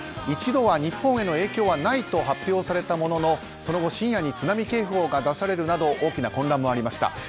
一度は日本への影響はないと発表されたものの、その後深夜に津波警報が出されるなど大きな混乱もありました。